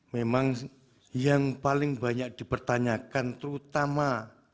memang yang paling banyak dipertanyakan terutama